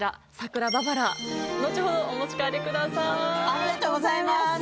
ありがとうございます。